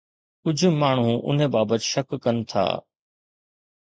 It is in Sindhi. ڪجهه ماڻهو ان بابت شڪ ڪن ٿا.